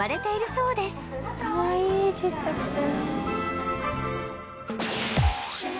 かわいいちっちゃくて。